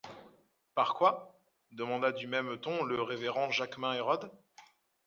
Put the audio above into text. Par quoi? demanda du même ton le révérend Jaquemin Hérode.